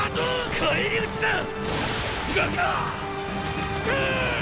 返り討ちだ！ぐっ！